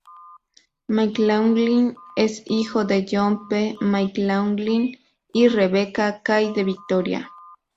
McLaughlin es hijo de John P. McLaughlin y Rebecca Kay De Victoria.